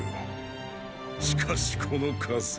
しかしこの数。